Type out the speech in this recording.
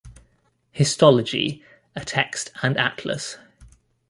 Histology A text and atlas.